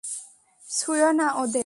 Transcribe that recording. ছুঁয়ো না ওদের।